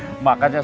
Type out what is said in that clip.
terima kasih tuhan